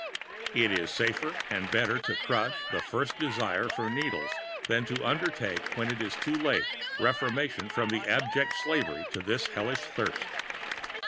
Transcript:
It is safer and better to crush the first desire for needles than to undertake when it is too late reformation from the abject slavery to this hellish thirst.